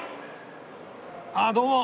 あどうも！